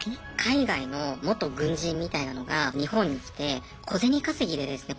海外の元軍人みたいなのが日本に来て小銭稼ぎでですね